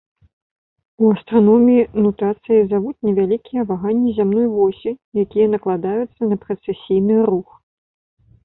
У астраноміі нутацыяй завуць невялікія ваганні зямной восі, якія накладаюцца на прэцэсійны рух.